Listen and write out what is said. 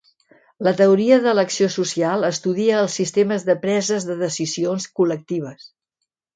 La Teoria d'elecció social estudia els sistemes de preses de decisions col·lectives.